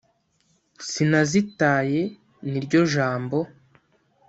sinazitaye ni iryo jambo